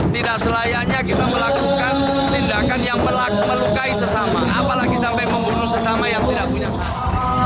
tidak selayaknya kita melakukan tindakan yang melukai sesama apalagi sampai membunuh sesama yang tidak punya suara